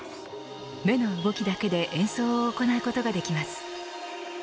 目の動きだけで演奏を行うことができます。